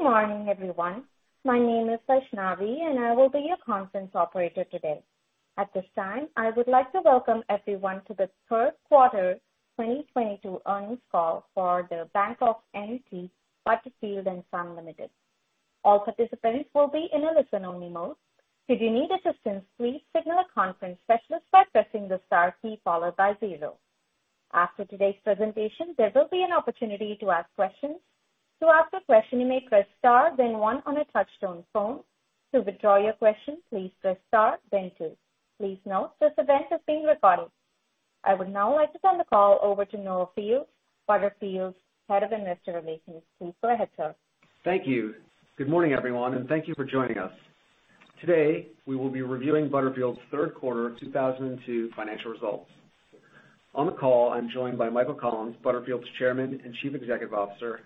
Good morning, everyone. My name is Vaishnavi, and I will be your conference operator today. At this time, I would like to welcome everyone to the third quarter 2022 earnings call for The Bank of N.T. Butterfield & Son Limited. All participants will be in a listen-only mode. If you need assistance, please signal a conference specialist by pressing the star key followed by zero. After today's presentation, there will be an opportunity to ask questions. To ask a question you may press star then one on a touchtone phone. To withdraw your question, please press star then two. Please note this event is being recorded. I would now like to turn the call over to Noah Fields, Butterfield's Head of Investor Relations. Please go ahead, sir. Thank you. Good morning, everyone, and thank you for joining us. Today, we will be reviewing Butterfield's third quarter 2022 financial results. On the call, I'm joined by Michael Collins, Butterfield's Chairman and Chief Executive Officer,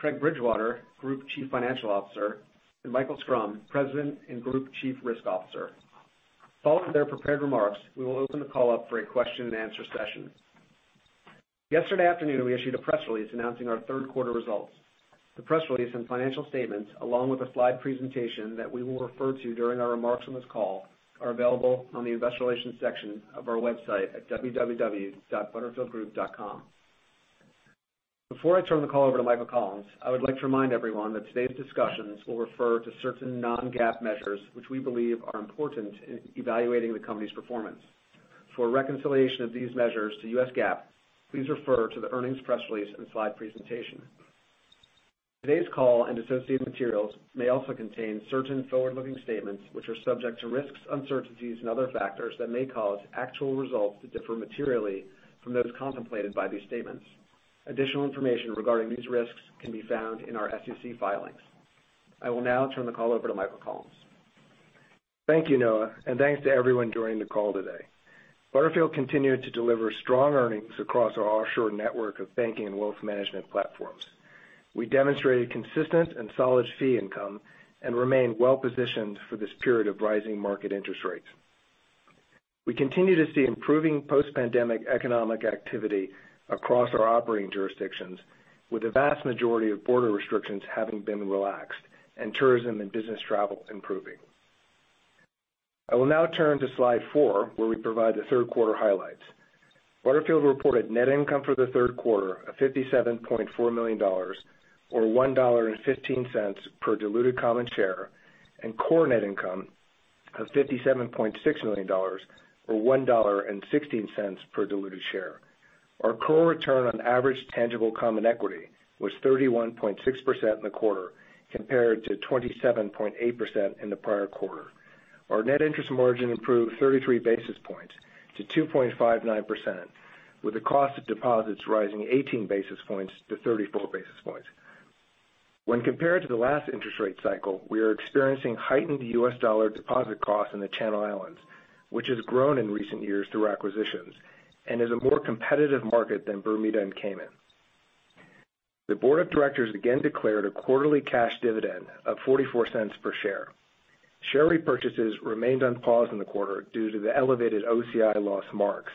Craig Bridgewater, Group Chief Financial Officer, and Michael Schrum, President and Group Chief Risk Officer. Following their prepared remarks, we will open the call up for a question-and-answer session. Yesterday afternoon, we issued a press release announcing our third quarter results. The press release and financial statements, along with a slide presentation that we will refer to during our remarks on this call, are available on the investor relations section of our website at www.butterfieldgroup.com. Before I turn the call over to Michael Collins, I would like to remind everyone that today's discussions will refer to certain non-GAAP measures, which we believe are important in evaluating the company's performance. For a reconciliation of these measures to US GAAP, please refer to the earnings press release and slide presentation. Today's call and associated materials may also contain certain forward-looking statements which are subject to risks, uncertainties, and other factors that may cause actual results to differ materially from those contemplated by these statements. Additional information regarding these risks can be found in our SEC filings. I will now turn the call over to Michael Collins. Thank you, Noah, and thanks to everyone joining the call today. Butterfield continued to deliver strong earnings across our offshore network of banking and wealth management platforms. We demonstrated consistent and solid fee income and remained well-positioned for this period of rising market interest rates. We continue to see improving post-pandemic economic activity across our operating jurisdictions, with the vast majority of border restrictions having been relaxed and tourism and business travel improving. I will now turn to slide four, where we provide the third quarter highlights. Butterfield reported net income for the third quarter of $57.4 million or $1.15 per diluted common share and core net income of $57.6 million or $1.16 per diluted share. Our core return on average tangible common equity was 31.6% in the quarter compared to 27.8% in the prior quarter. Our net interest margin improved 33 basis points to 2.59%, with the cost of deposits rising 18 basis points to 34 basis points. When compared to the last interest rate cycle, we are experiencing heightened US dollar deposit costs in the Channel Islands, which has grown in recent years through acquisitions and is a more competitive market than Bermuda and Cayman. The board of directors again declared a quarterly cash dividend of $0.44 per share. Share repurchases remained on pause in the quarter due to the elevated OCI loss marks,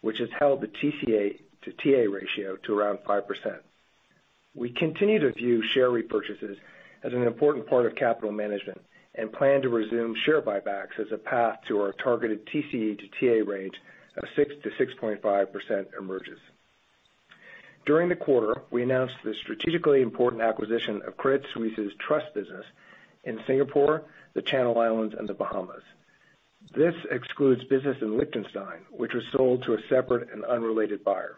which has held the TCE to TA ratio to around 5%. We continue to view share repurchases as an important part of capital management and plan to resume share buybacks as a path to our targeted TCE to TA range of 6%-6.5% emerges. During the quarter, we announced the strategically important acquisition of Credit Suisse's trust business in Singapore, the Channel Islands, and the Bahamas. This excludes business in Liechtenstein, which was sold to a separate and unrelated buyer.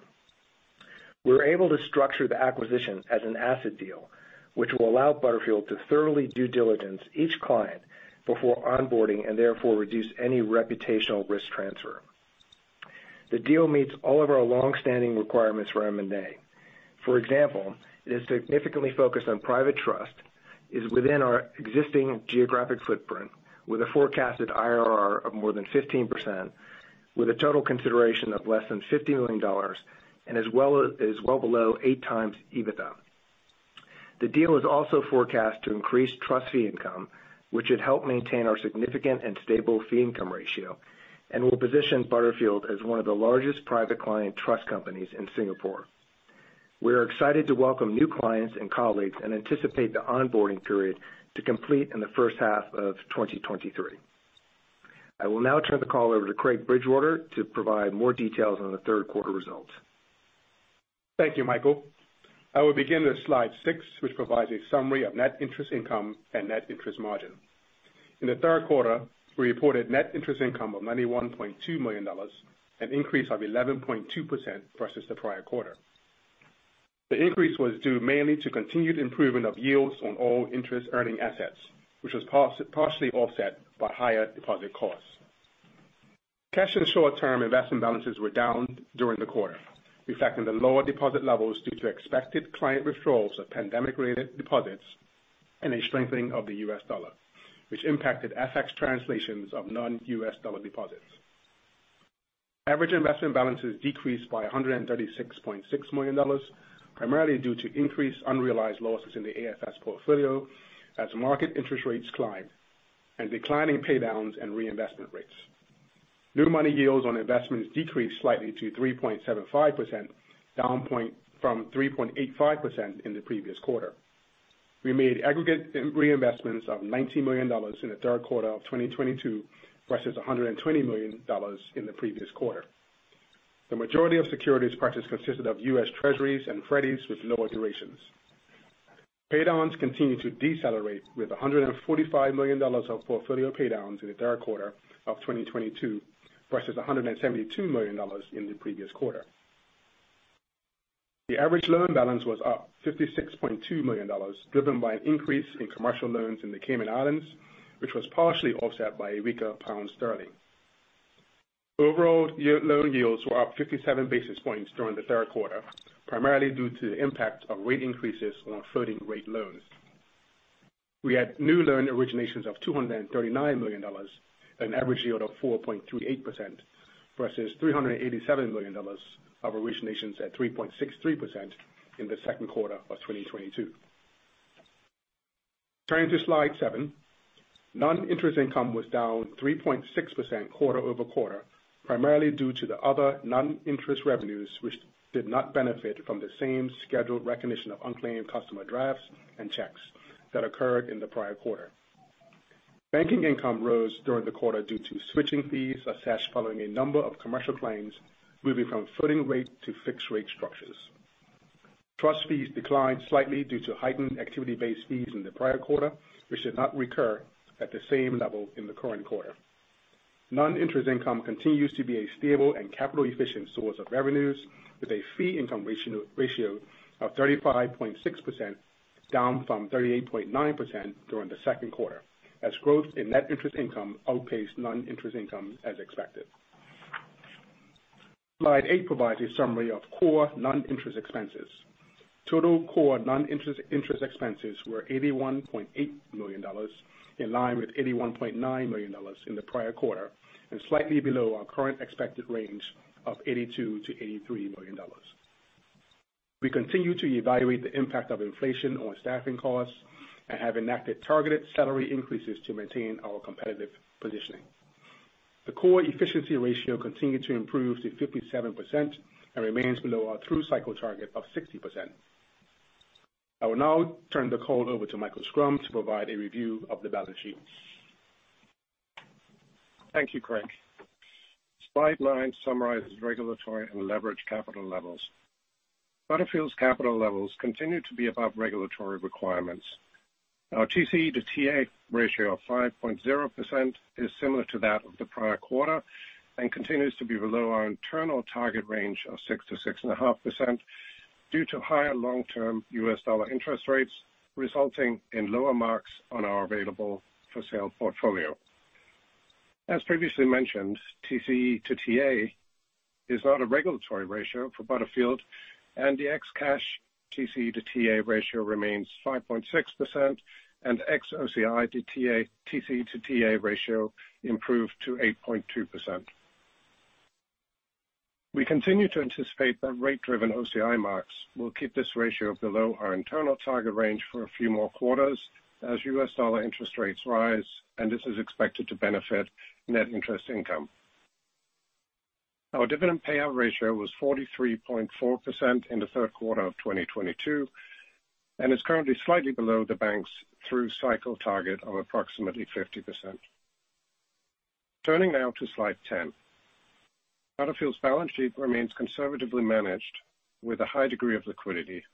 We're able to structure the acquisition as an asset deal, which will allow Butterfield to thoroughly due diligence each client before onboarding, and therefore reduce any reputational risk transfer. The deal meets all of our long-standing requirements for M&A. For example, it is significantly focused on private trust, is within our existing geographic footprint with a forecasted IRR of more than 15%, with a total consideration of less than $50 million and is well below 8x EBITDA. The deal is also forecast to increase trust fee income, which should help maintain our significant and stable fee income ratio and will position Butterfield as one of the largest private client trust companies in Singapore. We are excited to welcome new clients and colleagues and anticipate the onboarding period to complete in the first half of 2023. I will now turn the call over to Craig Bridgewater to provide more details on the third quarter results. Thank you, Michael. I will begin with slide six, which provides a summary of net interest income and net interest margin. In the third quarter, we reported net interest income of $91.2 million, an increase of 11.2% versus the prior quarter. The increase was due mainly to continued improvement of yields on all interest-earning assets, which was partially offset by higher deposit costs. Cash and short-term investment balances were down during the quarter, reflecting the lower deposit levels due to expected client withdrawals of pandemic-related deposits and a strengthening of the US dollar, which impacted FX translations of non-US dollar deposits. Average investment balances decreased by $136.6 million, primarily due to increased unrealized losses in the AFS portfolio as market interest rates climbed and declining pay downs and reinvestment rates. New money yields on investments decreased slightly to 3.75%, down 10 basis points from 3.85% in the previous quarter. We made aggregate reinvestments of $90 million in the third quarter of 2022 versus $120 million in the previous quarter. The majority of securities purchased consisted of US Treasuries and Freddies with lower durations. Paydowns continued to decelerate with $145 million of portfolio paydowns in the third quarter of 2022 versus $172 million in the previous quarter. The average loan balance was up $56.2 million, driven by an increase in commercial loans in the Cayman Islands, which was partially offset by a weaker pound sterling. Overall, year-over-year loan yields were up 57 basis points during the third quarter, primarily due to the impact of rate increases on our floating rate loans. We had new loan originations of $239 million, an average yield of 4.38% versus $387 million of originations at 3.63% in the second quarter of 2022. Turning to slide seven. Non-interest income was down 3.6% quarter-over-quarter, primarily due to the other non-interest revenues which did not benefit from the same scheduled recognition of unclaimed customer drafts and checks that occurred in the prior quarter. Banking income rose during the quarter due to switching fees assessed following a number of commercial loans moving from floating rate to fixed rate structures. Trust fees declined slightly due to heightened activity-based fees in the prior quarter, which should not recur at the same level in the current quarter. Non-interest income continues to be a stable and capital efficient source of revenues with a fee income ratio of 35.6%, down from 38.9% during the second quarter, as growth in net interest income outpaced non-interest income as expected. Slide eight provides a summary of core non-interest expenses. Total core non-interest expenses were $81.8 million, in line with $81.9 million in the prior quarter, and slightly below our current expected range of $82-$83 million. We continue to evaluate the impact of inflation on staffing costs and have enacted targeted salary increases to maintain our competitive positioning. The core efficiency ratio continued to improve to 57% and remains below our through cycle target of 60%. I will now turn the call over to Michael Schrum to provide a review of the balance sheet. Thank you, Craig. Slide nine summarizes regulatory and leverage capital levels. Butterfield's capital levels continue to be above regulatory requirements. Our TCE to TA ratio of 5.0% is similar to that of the prior quarter and continues to be below our internal target range of 6%-6.5% due to higher long-term US dollar interest rates resulting in lower marks on our available for sale portfolio. As previously mentioned, TCE to TA is not a regulatory ratio for Butterfield, and the ex cash TCE to TA ratio remains 5.6% and ex OCI TCE to TA ratio improved to 8.2%. We continue to anticipate that rate-driven OCI marks will keep this ratio below our internal target range for a few more quarters as US dollar interest rates rise, and this is expected to benefit net interest income. Our dividend payout ratio was 43.4% in the third quarter of 2022, and is currently slightly below the bank's through cycle target of approximately 50%. Turning now to slide 10. Butterfield's balance sheet remains conservatively managed with a high degree of liquidity.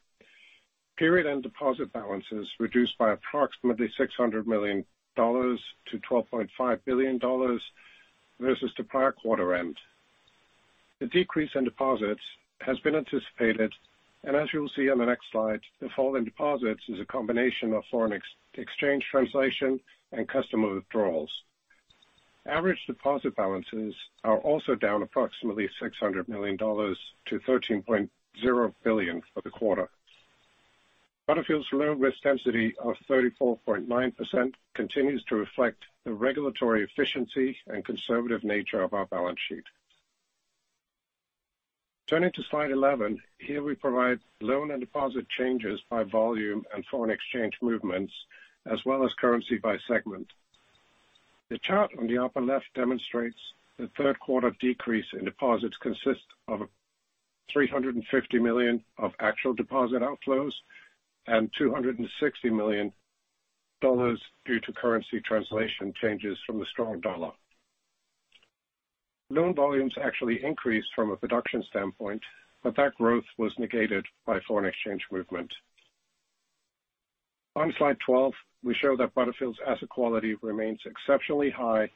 Period-end deposit balances reduced by approximately $600 million to $12.5 billion versus the prior quarter end. The decrease in deposits has been anticipated, and as you'll see on the next slide, the fall in deposits is a combination of foreign exchange translation and customer withdrawals. Average deposit balances are also down approximately $600 million to $13.0 billion for the quarter. Butterfield's loan risk density of 34.9% continues to reflect the regulatory efficiency and conservative nature of our balance sheet. Turning to slide 11. Here we provide loan and deposit changes by volume and foreign exchange movements, as well as currency by segment. The chart on the upper left demonstrates the third quarter decrease in deposits consists of $350 million of actual deposit outflows and $260 million due to currency translation changes from the strong dollar. Loan volumes actually increased from a production standpoint, but that growth was negated by foreign exchange movement. On slide 12, we show that Butterfield's asset quality remains exceptionally high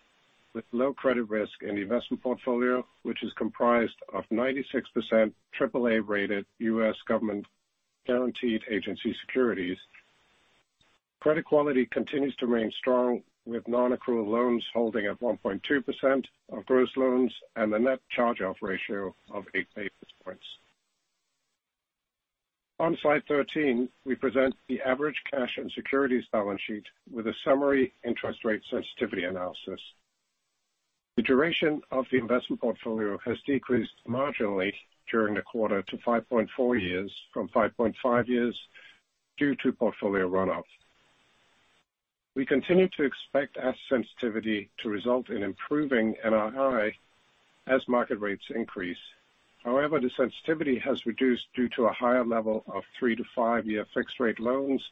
with low credit risk in the investment portfolio, which is comprised of 96% AAA-rated US government guaranteed agency securities. Credit quality continues to remain strong with non-accrual loans holding at 1.2% of gross loans and a net charge-off ratio of 8 basis points. On slide 13, we present the average cash and securities balance sheet with a summary interest rate sensitivity analysis. The duration of the investment portfolio has decreased marginally during the quarter to 5.4 years from 5.5 years due to portfolio runoff. We continue to expect asset sensitivity to result in improving NII as market rates increase. However, the sensitivity has reduced due to a higher level of 3-5-year fixed rate loans,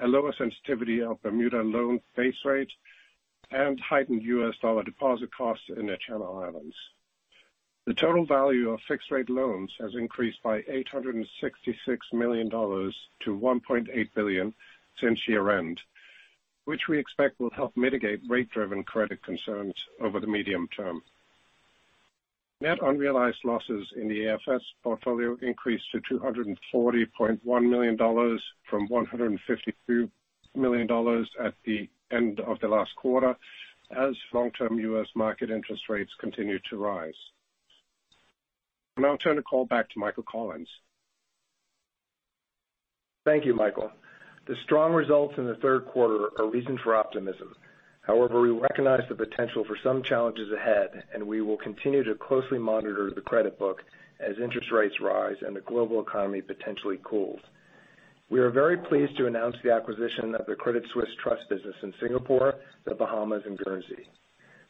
a lower sensitivity of Bermuda loan base rates, and heightened US dollar deposit costs in the Channel Islands. The total value of fixed rate loans has increased by $866 million to $1.8 billion since year-end, which we expect will help mitigate rate-driven credit concerns over the medium term. Net unrealized losses in the AFS portfolio increased to $240.1 million from $152 million at the end of the last quarter, as long-term U.S. market interest rates continued to rise. I'll now turn the call back to Michael Collins. Thank you, Michael. The strong results in the third quarter are reason for optimism. However, we recognize the potential for some challenges ahead, and we will continue to closely monitor the credit book as interest rates rise and the global economy potentially cools. We are very pleased to announce the acquisition of the Credit Suisse trust business in Singapore, the Bahamas, and Guernsey.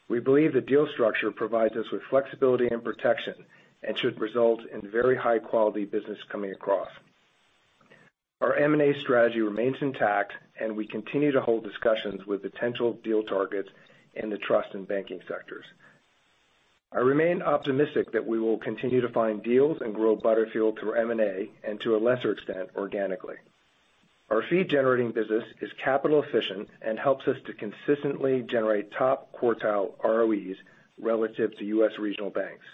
We believe the deal structure provides us with flexibility and protection and should result in very high-quality business coming across. Our M&A strategy remains intact, and we continue to hold discussions with potential deal targets in the trust and banking sectors. I remain optimistic that we will continue to find deals and grow Butterfield through M&A and, to a lesser extent, organically. Our fee-generating business is capital efficient and helps us to consistently generate top quartile ROEs relative to US regional banks.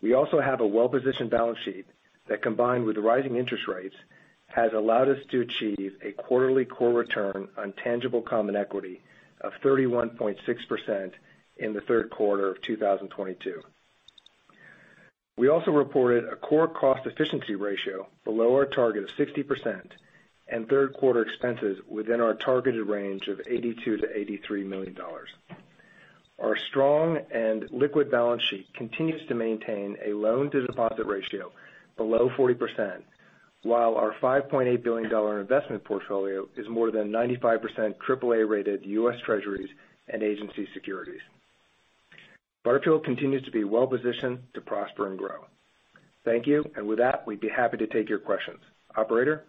We also have a well-positioned balance sheet that, combined with rising interest rates, has allowed us to achieve a quarterly core return on tangible common equity of 31.6% in the third quarter of 2022. We also reported a core cost efficiency ratio below our target of 60% and third quarter expenses within our targeted range of $82 million-$83 million. Our strong and liquid balance sheet continues to maintain a loan-to-deposit ratio below 40%, while our $5.8 billion investment portfolio is more than 95% AAA-rated US Treasuries and agency securities. Butterfield continues to be well positioned to prosper and grow. Thank you. With that, we'd be happy to take your questions. Operator?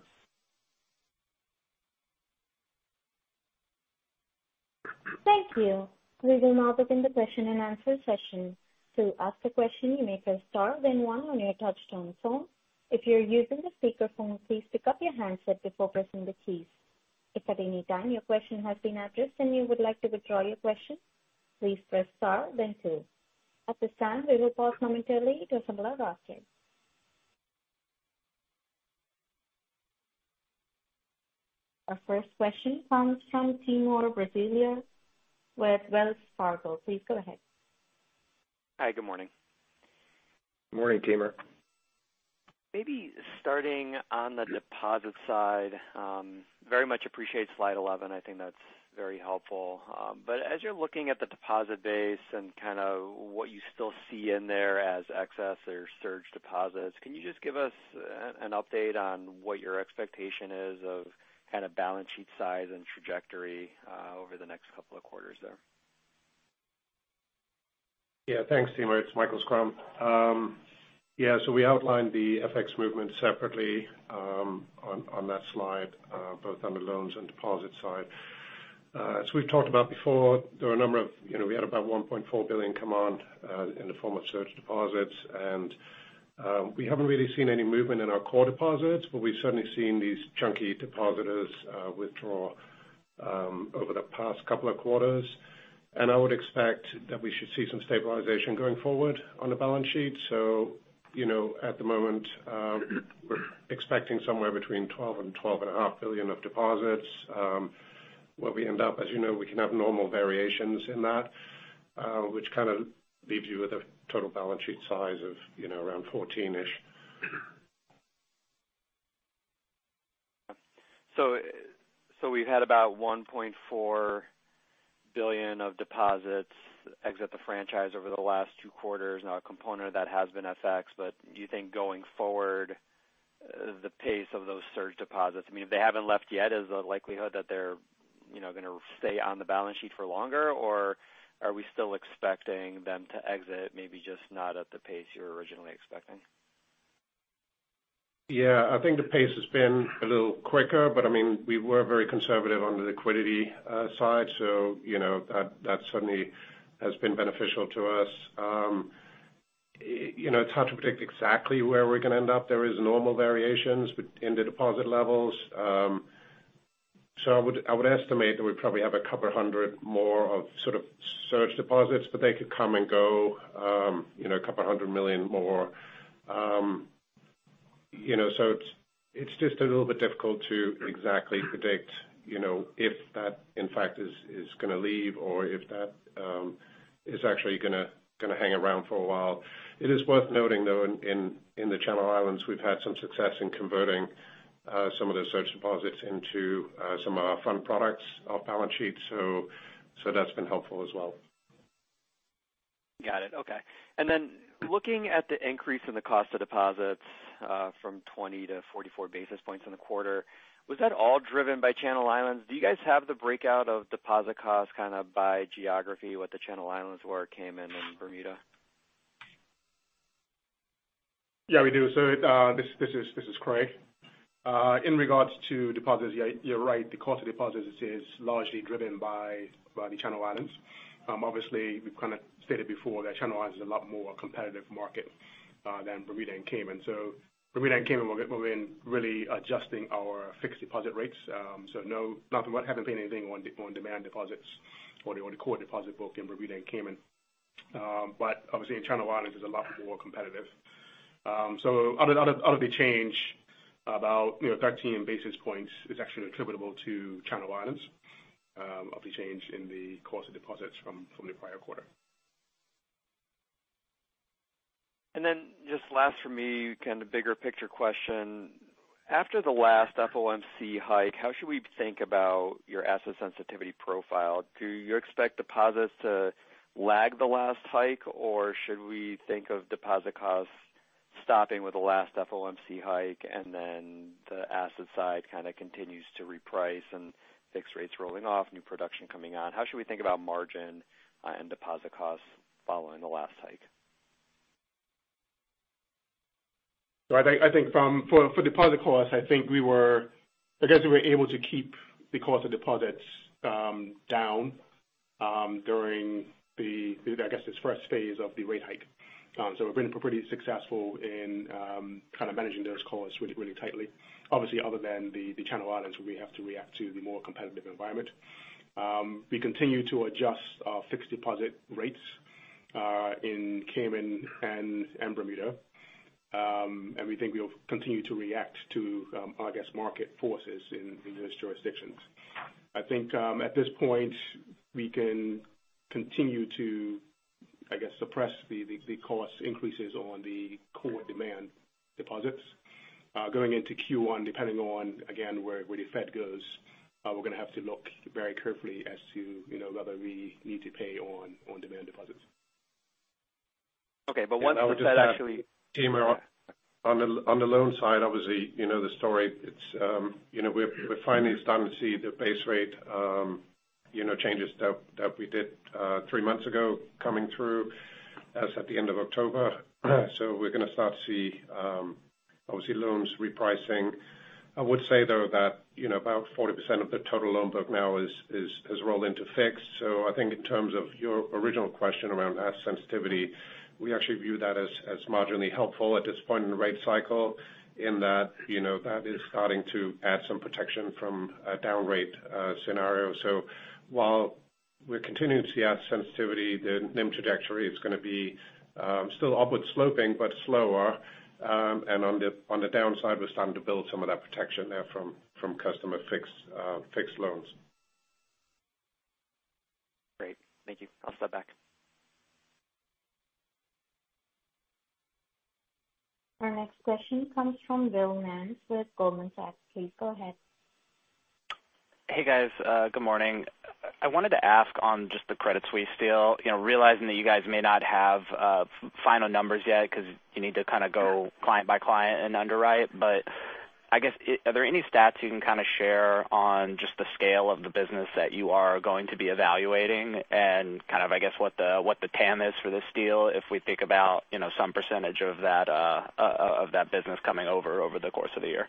Thank you. We will now open the question-and-answer session. To ask a question, you may press star then one on your touch-tone phone. If you're using the speakerphone, please pick up your handset before pressing the keys. If at any time your question has been addressed and you would like to withdraw your question, please press star then two. At this time, we will pause momentarily to assemble our roster. Our first question comes from Timur Braziler with Wells Fargo. Please go ahead. Hi. Good morning. Good morning, Timur. Maybe starting on the deposit side, very much appreciate slide 11. I think that's very helpful. But as you're looking at the deposit base and kind of what you still see in there as excess or surge deposits, can you just give us an update on what your expectation is of kind of balance sheet size and trajectory over the next couple of quarters there? Thanks, Timur. It's Michael Schrum. We outlined the FX movement separately on that slide, both on the loans and deposit side. As we've talked about before, you know, we had about $1.4 billion in the form of surge deposits. We haven't really seen any movement in our core deposits, but we've certainly seen these chunky depositors withdraw over the past couple of quarters. I would expect that we should see some stabilization going forward on the balance sheet. You know, at the moment, we're expecting somewhere between $12 billion and $12.5 billion of deposits. Where we end up, as you know, we can have normal variations in that, which kind of leaves you with a total balance sheet size of, you know, around $14-ish. We've had about $1.4 billion of deposits exit the franchise over the last two quarters. Now a component of that has been FX, but do you think going forward, the pace of those surge deposits, I mean, if they haven't left yet, is the likelihood that they're, you know, gonna stay on the balance sheet for longer, or are we still expecting them to exit, maybe just not at the pace you were originally expecting? Yeah. I think the pace has been a little quicker, but I mean, we were very conservative on the liquidity side, so you know, that certainly has been beneficial to us. You know, it's hard to predict exactly where we're gonna end up. There is normal variations in the deposit levels. So I would estimate that we probably have a couple of hundred more of sort of surge deposits, but they could come and go, you know, a couple hundred million more. You know, so it's just a little bit difficult to exactly predict, you know, if that in fact is gonna leave or if that is actually gonna hang around for a while. It is worth noting, though, in the Channel Islands, we've had some success in converting some of those surge deposits into some of our fund products off balance sheet. So that's been helpful as well. Got it. Okay. Looking at the increase in the cost of deposits from 20-44 basis points in the quarter, was that all driven by Channel Islands? Do you guys have the breakdown of deposit costs kind of by geography, what the Channel Islands were, Cayman and Bermuda? Yeah, we do. This is Craig. In regards to deposits, yeah, you're right, the cost of deposits is largely driven by the Channel Islands. Obviously, we've kind of stated before that Channel Islands is a lot more competitive market than Bermuda and Cayman. Bermuda and Cayman, we've been really adjusting our fixed deposit rates, so nothing, we haven't paid anything on demand deposits or the core deposit book in Bermuda and Cayman. But obviously in Channel Islands it's a lot more competitive. Other big change about, you know, 13 basis points is actually attributable to Channel Islands of the change in the cost of deposits from the prior quarter. Just last for me, kind of bigger picture question. After the last FOMC hike, how should we think about your asset sensitivity profile? Do you expect deposits to lag the last hike, or should we think of deposit costs stopping with the last FOMC hike, and then the asset side kind of continues to reprice and fixed rates rolling off, new production coming on? How should we think about margin, and deposit costs following the last hike? I think for deposit costs, I think we were able to keep the cost of deposits down during this first phase of the rate hike. We've been pretty successful in kind of managing those costs really tightly. Obviously, other than the Channel Islands, where we have to react to the more competitive environment. We continue to adjust our fixed deposit rates in Cayman and Bermuda. We think we'll continue to react to market forces in those jurisdictions. I think at this point, we can continue to suppress the cost increases on the core demand deposits. Going into Q1, depending on again where the Fed goes, we're gonna have to look very carefully as to, you know, whether we need to pay on demand deposits. Okay, once the Fed actually. I would just add, Timur, on the loan side, obviously, you know the story. It's you know we're finally starting to see the base rate you know changes that we did three months ago coming through as at the end of October. We're gonna start to see obviously loans repricing. I would say though that you know about 40% of the total loan book now has rolled into fixed. I think in terms of your original question around asset sensitivity, we actually view that as marginally helpful at this point in the rate cycle in that you know that is starting to add some protection from a down rate scenario. While we're continuing to see asset sensitivity, the NIM trajectory is gonna be still upward sloping but slower. On the downside, we're starting to build some of that protection there from customer fixed loans. Great. Thank you. I'll step back. Our next question comes from Will Nance with Goldman Sachs. Please go ahead. Hey, guys. Good morning. I wanted to ask on just the Credit Suisse deal, you know, realizing that you guys may not have final numbers yet because you need to kind of go client by client and underwrite. I guess, are there any stats you can kind of share on just the scale of the business that you are going to be evaluating and kind of, I guess, what the TAM is for this deal, if we think about, you know, some percentage of that of that business coming over the course of the year?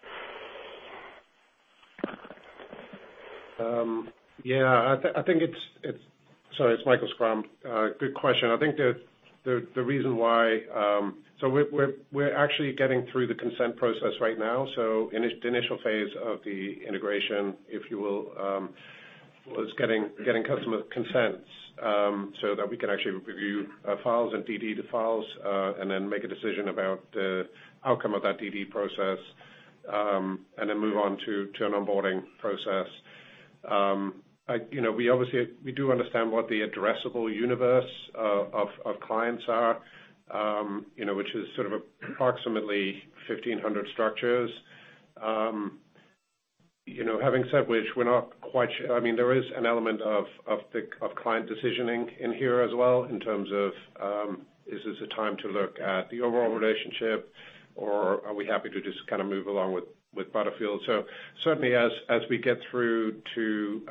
I think it's, sorry it's Michael Schrum. Good question. I think the reason why. We're actually getting through the consent process right now. The initial phase of the integration, if you will, was getting customer consents, so that we can actually review files and DD the files, and then make a decision about the outcome of that DD process, and then move on to an onboarding process. You know, we obviously do understand what the addressable universe of clients are, you know, which is sort of approximately 1,500 structures. You know, having said which, I mean, there is an element of client decisioning in here as well in terms of is this a time to look at the overall relationship or are we happy to just kind of move along with Butterfield. Certainly as we get through to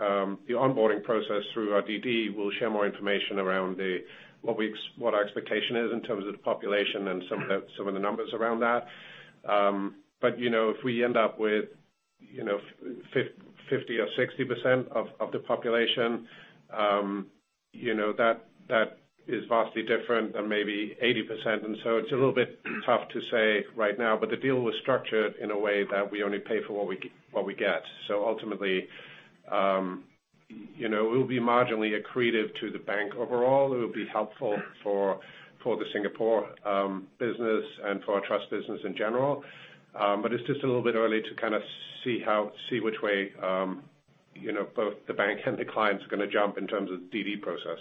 the onboarding process through our DD, we'll share more information around what our expectation is in terms of the population and some of the numbers around that. You know, if we end up with 50% or 60% of the population, you know, that is vastly different than maybe 80%. It's a little bit tough to say right now, but the deal was structured in a way that we only pay for what we get. Ultimately, you know, it will be marginally accretive to the bank overall. It will be helpful for the Singapore business and for our trust business in general. It's just a little bit early to kind of see which way, you know, both the bank and the clients are gonna jump in terms of DD process.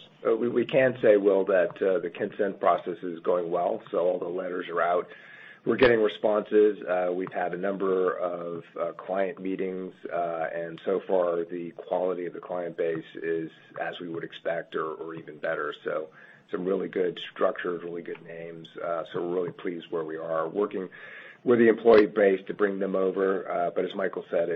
We can say, Will, that the consent process is going well, so all the letters are out. We're getting responses. We've had a number of client meetings, and so far the quality of the client base is as we would expect or even better. Some really good structure, really good names. We're really pleased where we are. Working with the employee base to bring them over, as Michael said,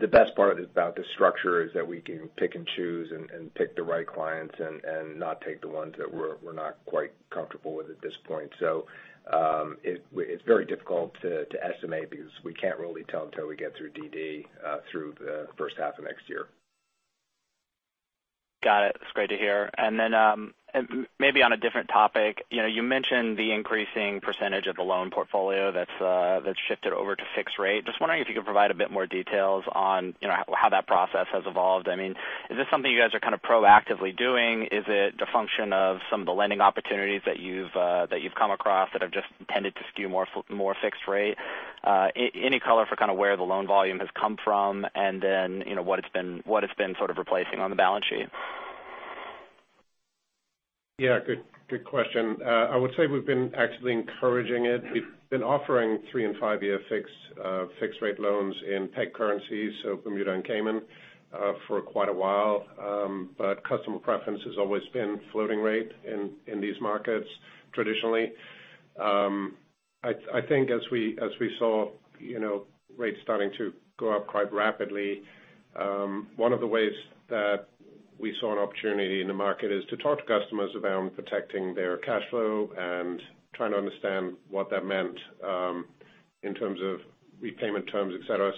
the best part about this structure is that we can pick and choose and pick the right clients and not take the ones that we're not quite comfortable with at this point. It's very difficult to estimate because we can't really tell until we get through DD through the first half of next year. Got it. It's great to hear. Maybe on a different topic, you know, you mentioned the increasing percentage of the loan portfolio that's shifted over to fixed rate. Just wondering if you could provide a bit more details on, you know, how that process has evolved. I mean, is this something you guys are kinda proactively doing? Is it a function of some of the lending opportunities that you've come across that have just tended to skew more fixed rate? Any color for kinda where the loan volume has come from, and then, you know, what it's been sort of replacing on the balance sheet. Yeah, good question. I would say we've been actively encouraging it. We've been offering 3- and 5-year fixed rate loans in peg currencies, so Bermuda and Cayman, for quite a while. But customer preference has always been floating rate in these markets traditionally. I think as we saw, you know, rates starting to go up quite rapidly, one of the ways that we saw an opportunity in the market is to talk to customers around protecting their cash flow and trying to understand what that meant, in terms of repayment terms, et cetera.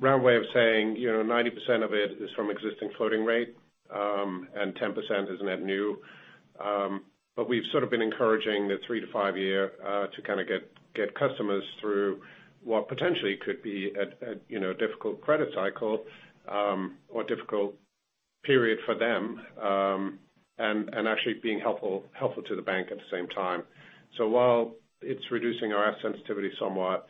Roundabout way of saying, you know, 90% of it is from existing floating rate, and 10% is net new. We've sort of been encouraging the 3- to 5-year to kinda get customers through what potentially could be a you know difficult credit cycle or difficult period for them and actually being helpful to the bank at the same time. While it's reducing our asset sensitivity somewhat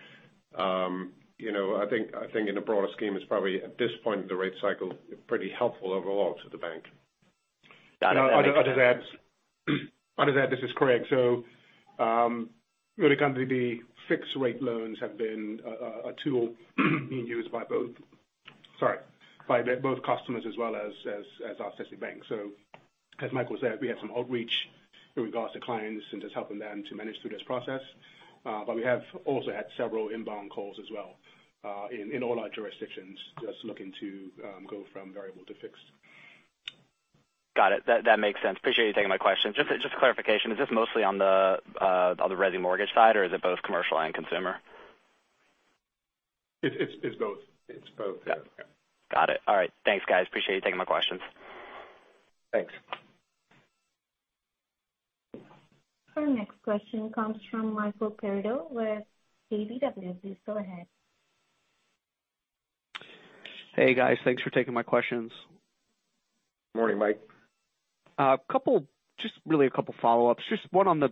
you know I think in the broader scheme it's probably at this point in the rate cycle pretty helpful overall to the bank. Got it. Okay. I'll just add this is correct. Really kind of the fixed rate loans have been a tool being used by both customers as well as our relationship bank. As Michael said, we have some outreach in regards to clients and just helping them to manage through this process. We have also had several inbound calls as well in all our jurisdictions, just looking to go from variable to fixed. Got it. That makes sense. Appreciate you taking my question. Just a clarification, is this mostly on the resi mortgage side or is it both commercial and consumer? It's both. Yeah. Got it. All right. Thanks guys. Appreciate you taking my questions. Thanks. Our next question comes from Michael Perito with KBW. Please go ahead. Hey guys. Thanks for taking my questions. Morning, Mike. Just really a couple follow-ups. Just one on the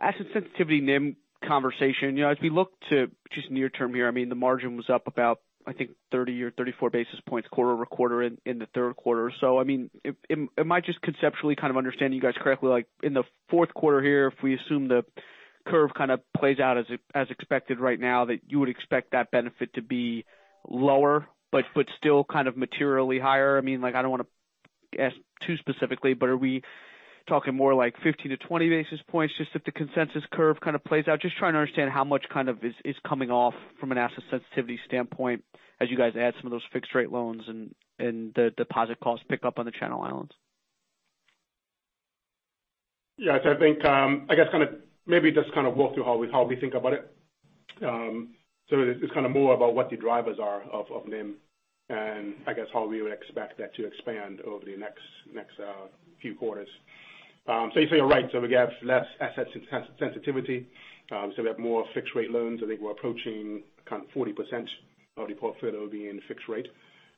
asset sensitivity NIM conversation. You know, as we look to just near term here, I mean, the margin was up about, I think 30 or 34 basis points quarter-over-quarter in the third quarter. So I mean, am I just conceptually kind of understanding you guys correctly, like in the fourth quarter here, if we assume the curve kind of plays out as expected right now, that you would expect that benefit to be lower but still kind of materially higher? I mean, like, I don't wanna ask too specifically, but are we talking more like 15-20 basis points just if the consensus curve kind of plays out? Just trying to understand how much kind of is coming off from an asset sensitivity standpoint as you guys add some of those fixed rate loans and the deposit costs pick up on the Channel Islands. Yeah. I think, I guess kind of maybe just kind of walk through how we think about it. It's kind of more about what the drivers are of NIM and I guess how we would expect that to expand over the next few quarters. You're right. We have less asset sensitivity, so we have more fixed rate loans. I think we're approaching kind of 40% of the portfolio being fixed rate.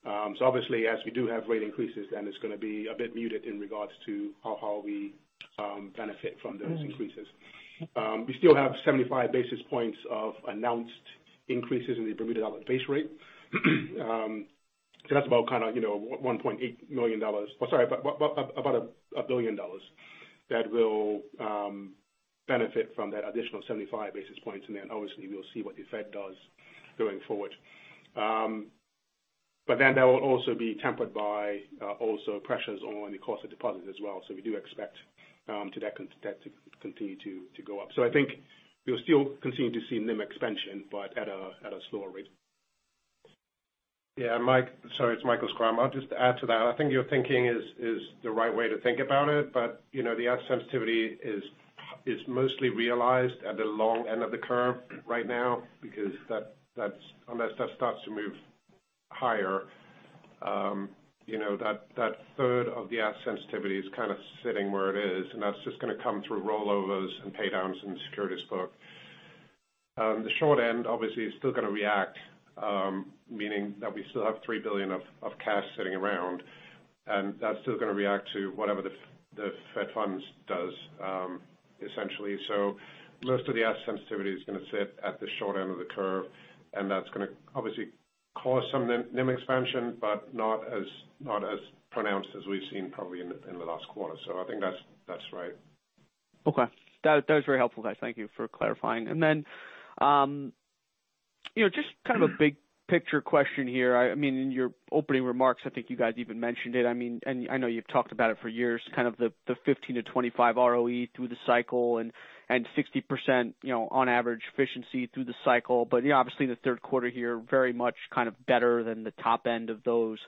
Obviously as we do have rate increases, then it's gonna be a bit muted in regards to how we benefit from those increases. We still have 75 basis points of announced increases in the Bermuda base rate. That's about kinda, you know, $1.8 million. Oh, sorry, about $1 billion that will benefit from that additional 75 basis points. Then obviously we'll see what the Fed does going forward. That will also be tempered by also pressures on the cost of deposits as well. We do expect that to continue to go up. I think we'll still continue to see NIM expansion, but at a slower rate. Yeah, Mike. Sorry, it's Michael Schrum. I'll just add to that. I think your thinking is the right way to think about it. You know, the asset sensitivity is mostly realized at the long end of the curve right now because that's unless that starts to move higher, you know, that third of the asset sensitivity is kind of sitting where it is and that's just gonna come through rollovers and pay downs in the securities book. The short end obviously is still gonna react, meaning that we still have $3 billion of cash sitting around, and that's still gonna react to whatever the Fed funds does, essentially. Most of the asset sensitivity is gonna sit at the short end of the curve, and that's gonna obviously cause some NIM expansion, but not as pronounced as we've seen probably in the last quarter. I think that's right. Okay. That was very helpful, guys. Thank you for clarifying. You know, just kind of a big picture question here. I mean, in your opening remarks, I think you guys even mentioned it. I mean, I know you've talked about it for years, kind of the 15%-25% ROE through the cycle and sixty percent, you know, on average efficiency through the cycle. You know, obviously the third quarter here very much kind of better than the top end of those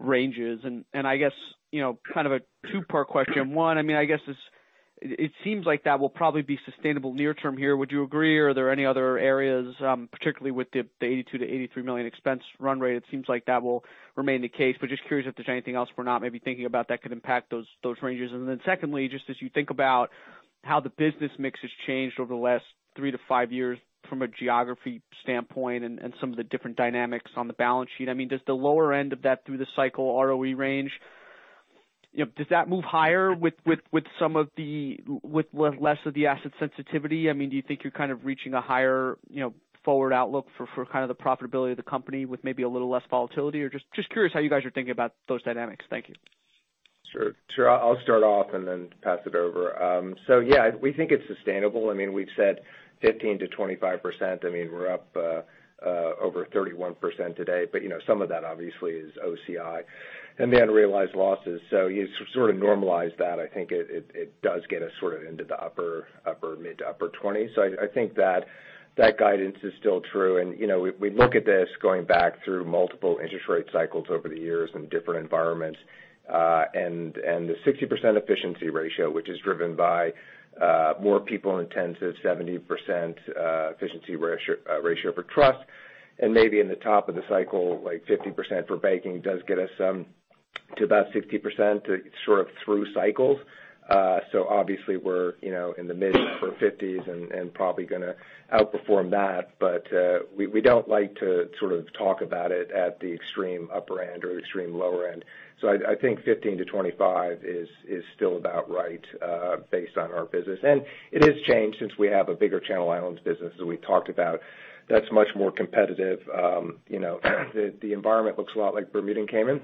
ranges. I guess, you know, kind of a two-part question. One, I mean, I guess It seems like that will probably be sustainable near term here. Would you agree? Or are there any other areas, particularly with the $82 million-$83 million expense run rate? It seems like that will remain the case, but just curious if there's anything else we're not maybe thinking about that could impact those ranges. Then secondly, just as you think about how the business mix has changed over the last 3-5 years from a geography standpoint and some of the different dynamics on the balance sheet, I mean, does the lower end of that through the cycle ROE range, you know, does that move higher with less of the asset sensitivity? I mean, do you think you're kind of reaching a higher, you know, forward outlook for kind of the profitability of the company with maybe a little less volatility? Or just curious how you guys are thinking about those dynamics. Thank you. I'll start off and then pass it over. Yeah, we think it's sustainable. I mean, we've said 15%-25%. I mean, we're up over 31% today. You know, some of that obviously is OCI and the unrealized losses. You sort of normalize that, I think it does get us sort of into the upper mid to upper twenties. I think that guidance is still true. You know, we look at this going back through multiple interest rate cycles over the years in different environments, the 60% efficiency ratio, which is driven by more people intensive 70% efficiency ratio for trust and maybe in the top of the cycle, like 50% for banking does get us to about 60% sort of through cycles. Obviously we're you know in the mid-forties and probably gonna outperform that. We don't like to sort of talk about it at the extreme upper end or extreme lower end. I think 15%-25% is still about right based on our business. It has changed since we have a bigger Channel Islands business that we talked about that's much more competitive. You know, the environment looks a lot like Bermuda and Cayman,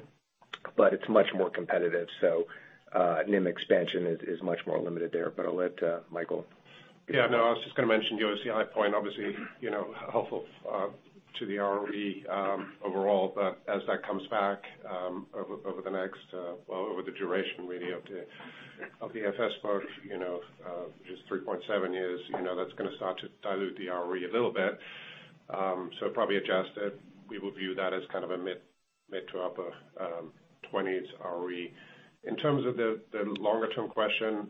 but it's much more competitive. NIM expansion is much more limited there. I'll let Michael. Yeah, no, I was just gonna mention the OCI point, obviously, you know, helpful to the ROE overall, but as that comes back over the next, well, over the duration really of the AFS book, you know, just 3.7 years, you know, that's gonna start to dilute the ROE a little bit. So probably adjusted, we will view that as kind of a mid- to upper-20s ROE. In terms of the longer term question,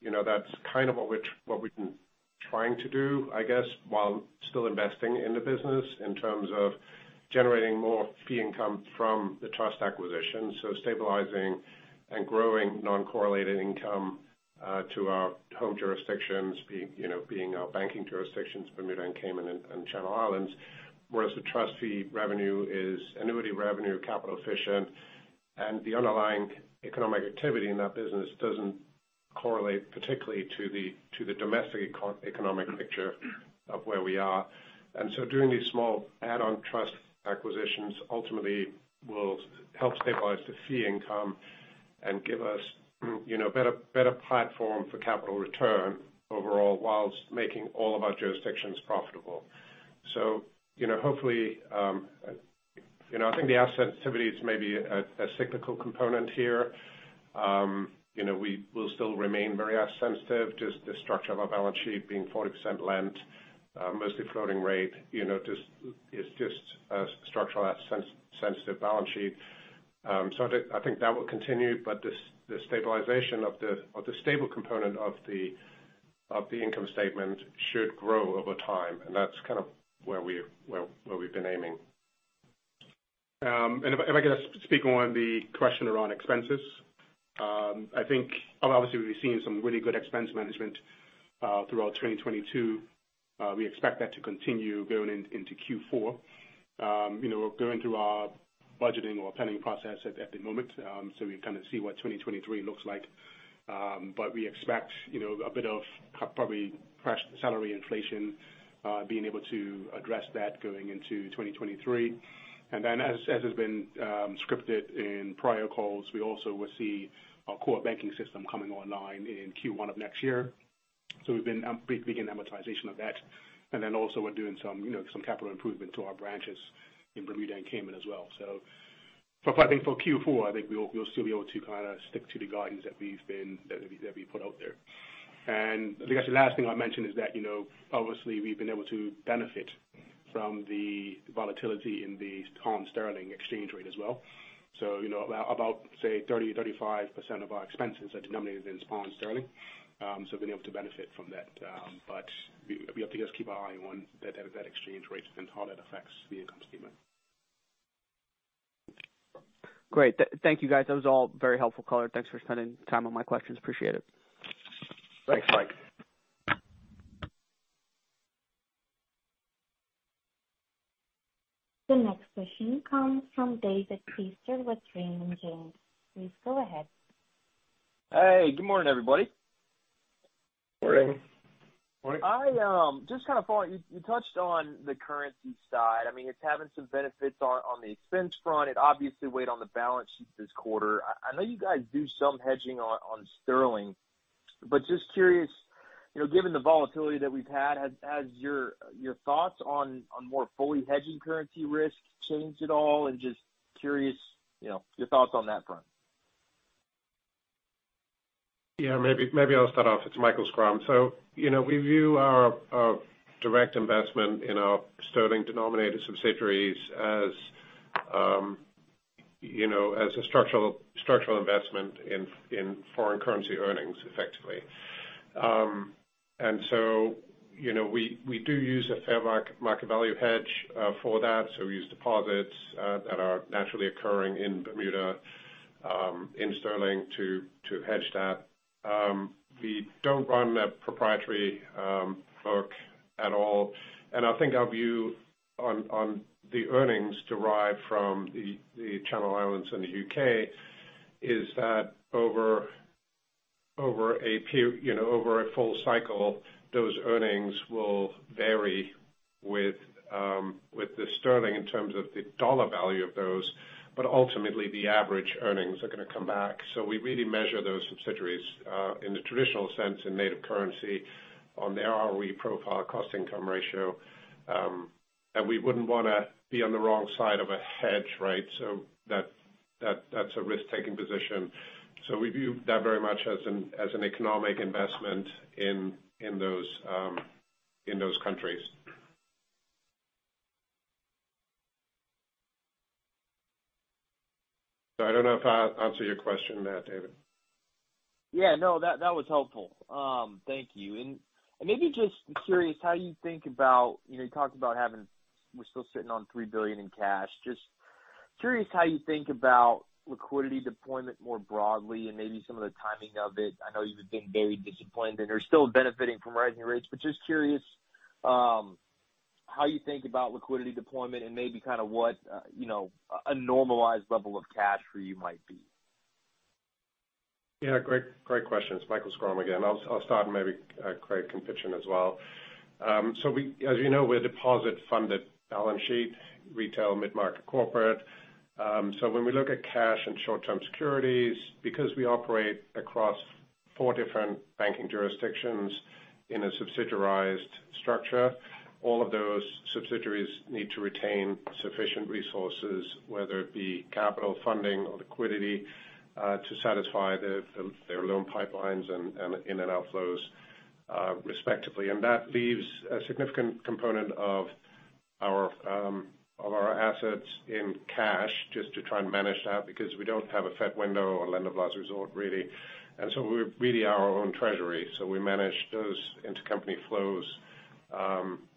you know, that's kind of what we've been trying to do, I guess, while still investing in the business in terms of generating more fee income from the trust acquisition, so stabilizing and growing non-correlated income to our home jurisdictions, you know, being our banking jurisdictions, Bermuda and Cayman and Channel Islands. Whereas the trust fee revenue is annuity revenue, capital efficient and the underlying economic activity in that business doesn't correlate particularly to the domestic economic picture of where we are. Doing these small add-on trust acquisitions ultimately will help stabilize the fee income and give us, you know, better platform for capital return overall whilst making all of our jurisdictions profitable. You know, hopefully, you know, I think the asset sensitivity is maybe a cyclical component here. You know, we will still remain very asset sensitive, just the structure of our balance sheet being 40% lent, mostly floating rate, you know, just, it's just a structural asset sensitive balance sheet. I think that will continue, but the stabilization of the stable component of the income statement should grow over time, and that's kind of where we've been aiming. If I could just speak on the question around expenses. I think obviously we've been seeing some really good expense management throughout 2022. We expect that to continue going into Q4. You know, we're going through our budgeting or planning process at the moment, we kind of see what 2023 looks like. We expect, you know, a bit of probably fresh salary inflation, being able to address that going into 2023. As has been scripted in prior calls, we also will see our core banking system coming online in Q1 of next year. We'll begin amortization of that. We're doing some, you know, some capital improvement to our branches in Bermuda and Cayman as well. For Q4, I think we'll still be able to kinda stick to the guidance that we put out there. I guess the last thing I'd mention is that, you know, obviously we've been able to benefit from the volatility in the pound sterling exchange rate as well. You know, say 30%-35% of our expenses are denominated in pounds sterling. We've been able to benefit from that. We have to just keep our eye on that exchange rate and how that affects the income statement. Great. Thank you guys. That was all very helpful color. Thanks for spending time on my questions. Appreciate it. Thanks, Mike. The next question comes from David Feaster with Raymond James. Please go ahead. Hey, good morning, everybody. Morning. You touched on the currency side. I mean, it's having some benefits on the expense front. It obviously weighed on the balance sheet this quarter. I know you guys do some hedging on sterling, but just curious, you know, given the volatility that we've had, has your thoughts on more fully hedging currency risk changed at all? Just curious, you know, your thoughts on that front. Yeah, maybe I'll start off. It's Michael Schrum. You know, we view our direct investment in our sterling denominated subsidiaries as, you know, as a structural investment in foreign currency earnings, effectively. You know, we do use a fair market-value hedge for that. We use deposits that are naturally occurring in Bermuda in sterling to hedge that. We don't run a proprietary book at all. I think our view on the earnings derived from the Channel Islands and the UK is that over a full cycle, those earnings will vary with the sterling in terms of the dollar value of those. Ultimately, the average earnings are gonna come back. We really measure those subsidiaries in the traditional sense in native currency on the ROE profile cost income ratio. We wouldn't wanna be on the wrong side of a hedge, right? That's a risk-taking position. We view that very much as an economic investment in those countries. I don't know if I answered your question there, David. Yeah. No, that was helpful. Thank you. Maybe just curious how you think about, you know, you talked about. We're still sitting on $3 billion in cash. Just curious how you think about liquidity deployment more broadly and maybe some of the timing of it. I know you've been very disciplined, and you're still benefiting from rising rates, but just curious, how you think about liquidity deployment and maybe kind of what, you know, a normalized level of cash for you might be. Yeah. Great question. It's Michael Schrum again. I'll start, and maybe Craig can pitch in as well. As you know, we're a deposit-funded balance sheet, retail, mid-market corporate. When we look at cash and short-term securities, because we operate across four different banking jurisdictions in a subsidiary structure, all of those subsidiaries need to retain sufficient resources, whether it be capital funding or liquidity, to satisfy their loan pipelines and inflows and outflows, respectively. That leaves a significant component of our assets in cash just to try and manage that because we don't have a Fed window or lender of last resort, really. We're really our own treasury. We manage those intercompany flows,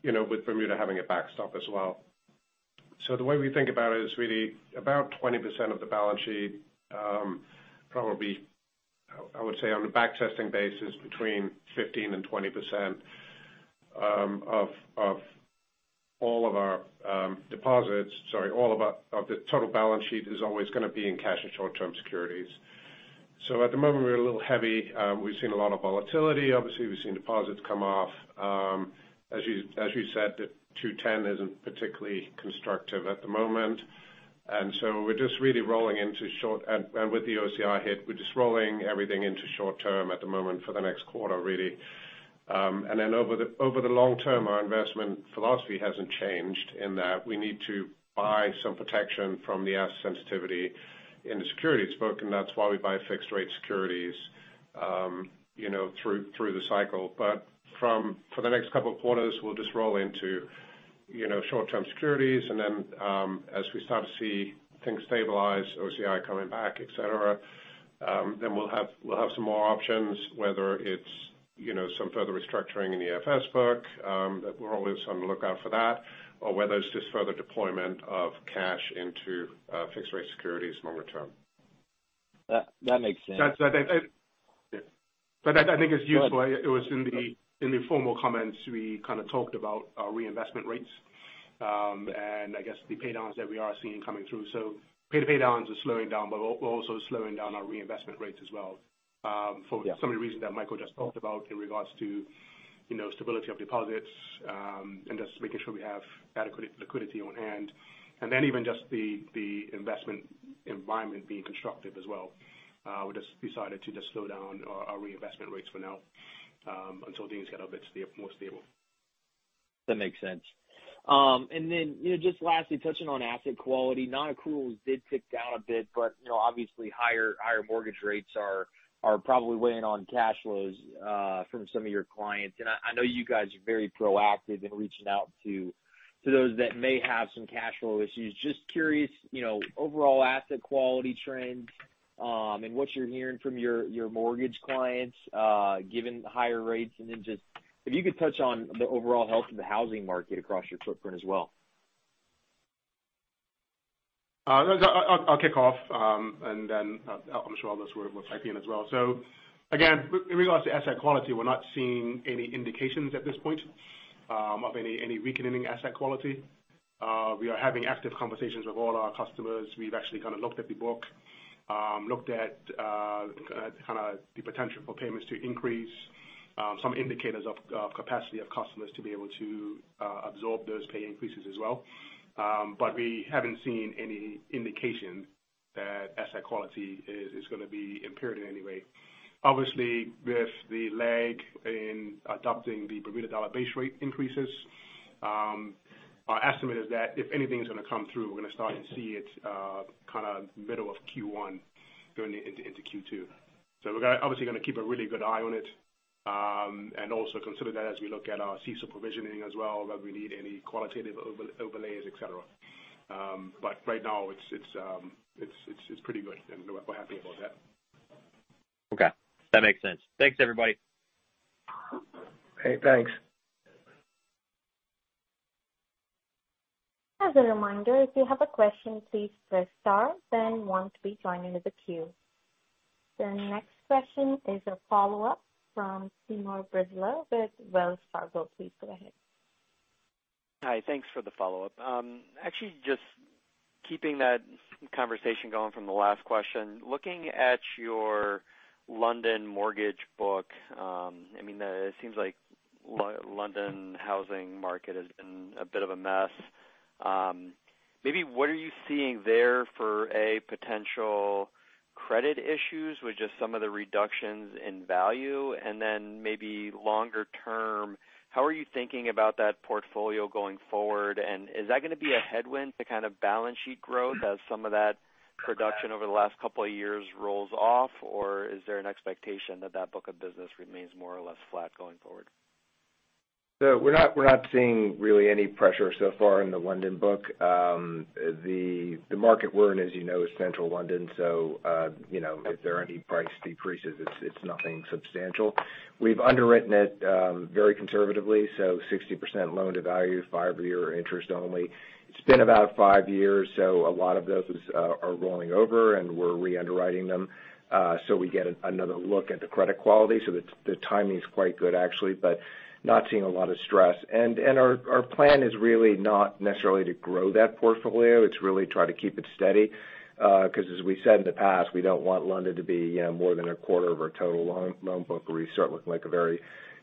you know, with Bermuda having a backstop as well. The way we think about it is really about 20% of the balance sheet, probably, I would say on a backtesting basis, between 15%-20% of the total balance sheet is always gonna be in cash and short-term securities. At the moment, we're a little heavy. We've seen a lot of volatility. Obviously, we've seen deposits come off. As you said, 2-10 isn't particularly constructive at the moment. We're just really rolling into short. With the OCI hit, we're just rolling everything into short term at the moment for the next quarter, really. Over the long term, our investment philosophy hasn't changed in that we need to buy some protection from the asset sensitivity in the securities book, and that's why we buy fixed rate securities, you know, through the cycle. For the next couple of quarters, we'll just roll into, you know, short-term securities. As we start to see things stabilize, OCI coming back, et cetera, then we'll have some more options, whether it's, you know, some further restructuring in the AFS book, we're always on the lookout for that, or whether it's just further deployment of cash into fixed rate securities longer term. That makes sense. That. Yeah. That I think is useful. It was in the formal comments, we kind of talked about our reinvestment rates. I guess the paydowns that we are seeing coming through. The paydowns are slowing down, but we're also slowing down our reinvestment rates as well, for some of the reasons that Michael just talked about in regards to, you know, stability of deposits, and just making sure we have adequate liquidity on hand. Then even just the investment environment being constructive as well, we just decided to just slow down our reinvestment rates for now, until things get a bit more stable. That makes sense. You know, just lastly, touching on asset quality. Non-accruals did tick down a bit, but you know, obviously higher mortgage rates are probably weighing on cash flows from some of your clients. I know you guys are very proactive in reaching out to those that may have some cash flow issues. Just curious, you know, overall asset quality trends and what you're hearing from your mortgage clients given the higher rates. Just if you could touch on the overall health of the housing market across your footprint as well. I'll kick off, and then I'm sure others will chip in as well. Again, in regards to asset quality, we're not seeing any indications at this point of any weakening asset quality. We are having active conversations with all our customers. We've actually kind of looked at the book, looked at kind of the potential for payments to increase, some indicators of capacity of customers to be able to absorb those payment increases as well. We haven't seen any indication that asset quality is gonna be impaired in any way. Obviously, with the lag in adopting the Bermuda dollar base rate increases, our estimate is that if anything's gonna come through, we're gonna start to see it, kind of middle of Q1 going into Q2. We're obviously gonna keep a really good eye on it, and also consider that as we look at our CECL provisioning as well, whether we need any qualitative overlays, etc. Right now it's pretty good, and we're happy about that. Okay. That makes sense. Thanks, everybody. Okay, thanks. As a reminder, if you have a question, please press star then one to be joined into the queue. The next question is a follow-up from Timur Braziler with Wells Fargo. Please go ahead. Hi. Thanks for the follow-up. Actually just keeping that conversation going from the last question. Looking at your London mortgage book, I mean, it seems like London housing market has been a bit of a mess. Maybe what are you seeing there for, a potential credit issues with just some of the reductions in value? And then maybe longer term, how are you thinking about that portfolio going forward? And is that gonna be a headwind to kind of balance sheet growth as some of that production over the last couple of years rolls off? Or is there an expectation that that book of business remains more or less flat going forward? We're not seeing really any pressure so far in the London book. The market we're in, as you know, is Central London, so if there are any price decreases, it's nothing substantial. We've underwritten it very conservatively, so 60% loan-to-value, five-year interest only. It's been about five years, so a lot of those are rolling over and we're re-underwriting them, so we get another look at the credit quality. The timing's quite good, actually, but not seeing a lot of stress. Our plan is really not necessarily to grow that portfolio. It's really trying to keep it steady, because as we said in the past, we don't want London to be, you know, more than a quarter of our total loan book, or we start looking like a very,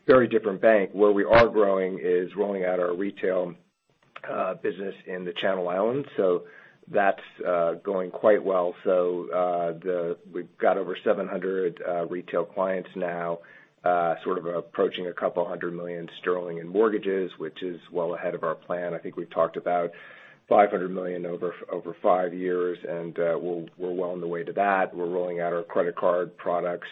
very different bank. Where we are growing is rolling out our retail business in the Channel Islands. That's going quite well. We've got over 700 retail clients now, sort of approaching a couple hundred million jst rolling in mortgages, which is well ahead of our plan. I think we've talked about 500 million over five years, and we're well on the way to that. We're rolling out our credit card products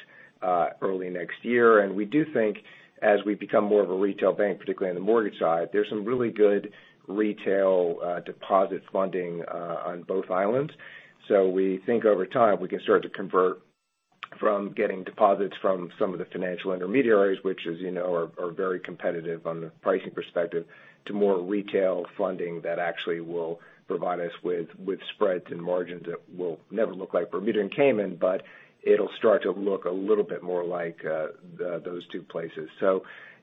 early next year. We do think as we become more of a retail bank, particularly on the mortgage side, there's some really good retail deposit funding on both islands. We think over time, we can start to convert from getting deposits from some of the financial intermediaries, which as you know, are very competitive on the pricing perspective, to more retail funding that actually will provide us with spreads and margins that will never look like Bermuda and Cayman, but it'll start to look a little bit more like those two places.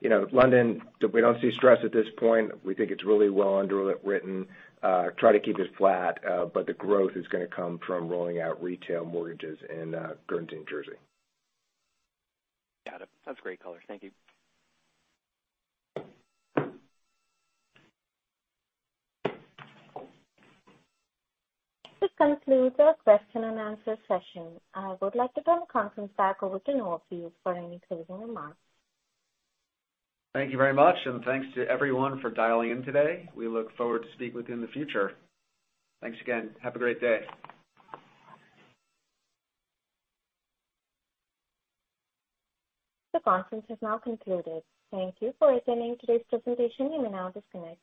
You know, London, we don't see stress at this point. We think it's really well underwritten. Try to keep it flat, but the growth is gonna come from rolling out retail mortgages in Guernsey and Jersey. Got it. That's great color. Thank you. This concludes our question and answer session. I would like to turn the conference back over to Noah Fields for any closing remarks. Thank you very much, and thanks to everyone for dialing in today. We look forward to speak with you in the future. Thanks again. Have a great day. The conference has now concluded. Thank you for attending today's presentation. You may now disconnect.